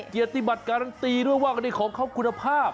เกียรติบัติการันตีด้วยว่าวันนี้ของเขาคุณภาพ